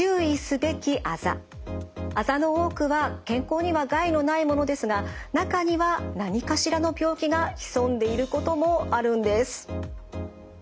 あざの多くは健康には害のないものですが中には何かしらの病気が潜んでいることもあるんです。